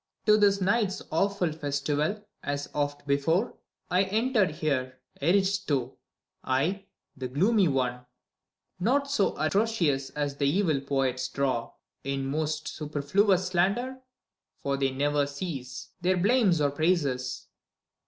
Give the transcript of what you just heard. TO this night's awful festival, as oft before, I enter here, Eriehtho, I, the gloomy one : Not so atrocious as the evil poets draw. In most superfluous slander — for they never cease Their blame or praises